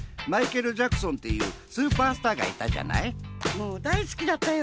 もうだい好きだったよ。